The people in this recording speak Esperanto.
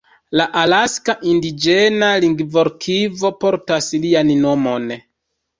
La Alaska Indiĝena Lingvorkivo portas lian nomon.